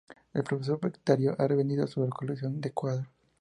El profesor Bacterio ha vendido su colección de cuadros.